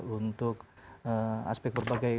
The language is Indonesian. untuk aspek berbagai